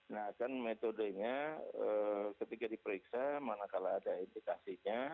nah kan metodenya ketika diperiksa mana kalau ada indikasinya